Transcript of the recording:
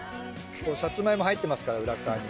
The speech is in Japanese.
さつまいも入ってますから裏側に。